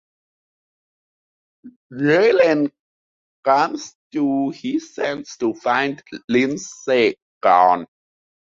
Raylan comes to his senses to find Lindsey gone.